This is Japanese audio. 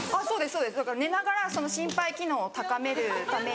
そうですだから寝ながら心肺機能を高めるために。